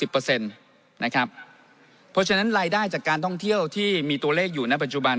เพราะฉะนั้นรายได้จากการท่องเที่ยวที่มีตัวเลขอยู่ในปัจจุบัน